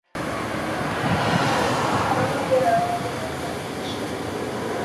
Não haverá uma mudança repentina